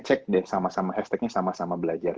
cek dan sama sama hashtagnya sama sama belajar